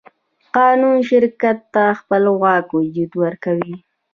قانون شرکت ته خپلواک وجود ورکوي.